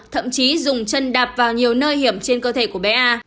thậm chí dùng chân đạp vào nhiều nơi hiểm trên cơ thể của bé a